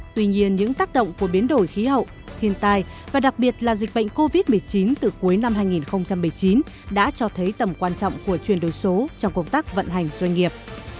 tuy nhiên những tác động của biến đổi khí hậu thiên tai và đặc biệt là dịch bệnh covid một mươi chín từ cuối năm hai nghìn một mươi chín đã cho thấy tầm quan trọng của chuyển đổi số trong công tác vận hành doanh nghiệp